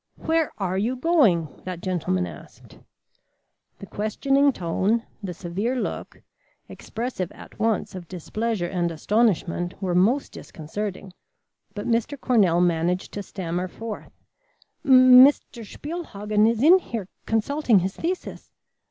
"Where are you going?" that gentleman asked. The questioning tone, the severe look, expressive at once of displeasure and astonishment, were most disconcerting, but Mr. Cornell managed to stammer forth: "Mr. Spielhagen is in here consulting his thesis.